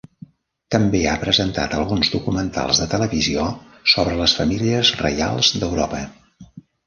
També ha presentat alguns documentals de televisió sobre les famílies reials d'Europa.